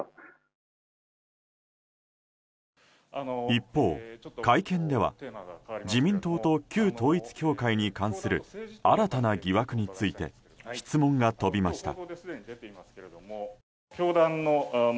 一方、会見では自民党と旧統一教会に関する新たな疑惑について質問が飛びました。